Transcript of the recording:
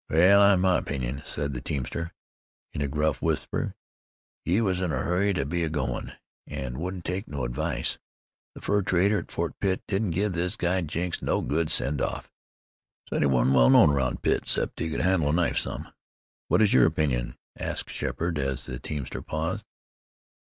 "Wal, I hev my opinion," said the teamster, in a gruff whisper. "Ye was in a hurry to be a goin', an' wouldn't take no advice. The fur trader at Fort Pitt didn't give this guide Jenks no good send off. Said he wasn't well known round Pitt, 'cept he could handle a knife some." "What is your opinion?" asked Sheppard, as the teamster paused.